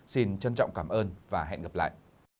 xin trân trọng cảm ơn và hẹn gặp lại